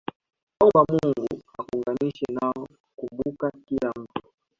omba Mungu akuunganishe nao Kumbuka kila mtu